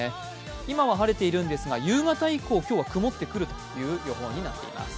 今は晴れているんですが夕方以降、今日は曇ってくる予報となっています。